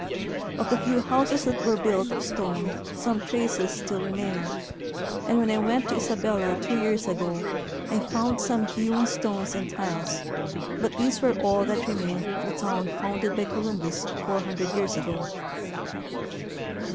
Of the few houses that were built of stone some traces still remain, and when I went to Isabella two years ago I found some hewn stones and tiles, but these were all that remained of the town founded by Columbus four hundred 3^ears ago.